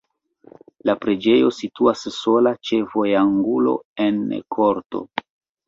La preĝejo situas sola ĉe vojangulo en korto.